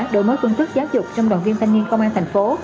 đổi mới phương thức giáo dục trong đoàn viên thanh niên công an tp hcm